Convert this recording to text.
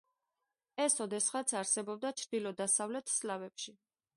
ეს ოდესღაც არსებობდა ჩრდილო-დასავლეთ სლავებში.